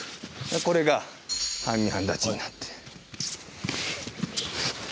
これが半身半立ちになって。